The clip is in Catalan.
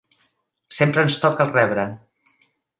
Sempre ens toca el rebre.